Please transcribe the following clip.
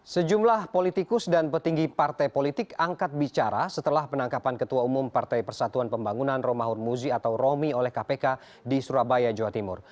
sejumlah politikus dan petinggi partai politik angkat bicara setelah penangkapan ketua umum partai persatuan pembangunan romahur muzi atau romi oleh kpk di surabaya jawa timur